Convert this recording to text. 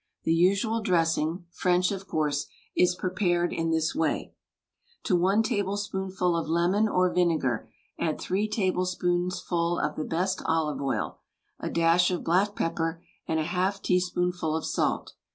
The usual dressing — french, of course — is prepared in this way: To one tablespoonful of lemon or vinegar add three table spoonsful of the best olive oil, a dash of black pepper, and a half teaspoonful of salt.